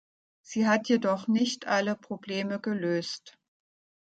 Sie hat jedoch nicht alle Probleme gelöst.